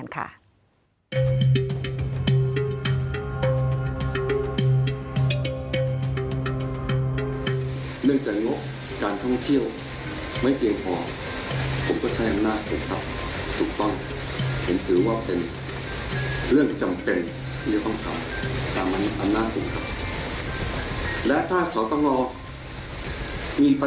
เดี๋ยวเราไปดูเรื่องนี้จากรายงานค่ะ